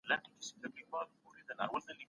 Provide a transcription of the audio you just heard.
که ته سودا په سوچ او فکر وکړې نو پیسې به سپما کړې.